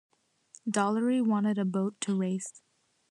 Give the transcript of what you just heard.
Dollery wanted a boat to race.